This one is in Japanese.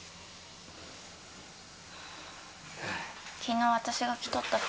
昨日私が着とった服